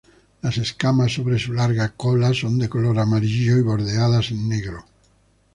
Las escamas sobre su larga cola son de color amarillo y bordeadas en negro.